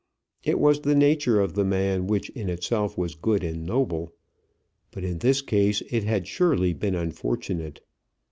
It was the nature of the man, which in itself was good and noble. But in this case it had surely been unfortunate.